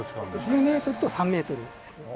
１０メートルと３メートルですね。